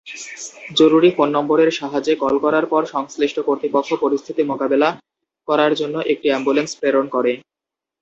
জরুরি ফোন নম্বরের সাহায্যে কল করার পর সংশ্লিষ্ট কর্তৃপক্ষ পরিস্থিতি মোকাবেলা করার জন্য একটি অ্যাম্বুলেন্স প্রেরণ করে।